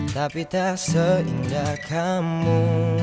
tapi tak seindah kamu